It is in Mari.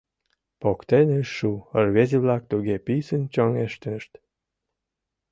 Поктен ыш шу — рвезе-влак туге писын чоҥештышт.